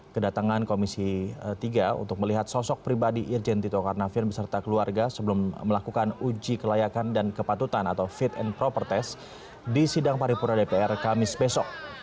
kedatangan komisi tiga untuk melihat sosok pribadi irjen tito karnavian beserta keluarga sebelum melakukan uji kelayakan dan kepatutan atau fit and proper test di sidang paripurna dpr kamis besok